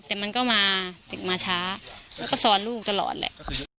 แต่มันก็มาถึงมาช้าแล้วก็ซ้อนลูกตลอดแหละ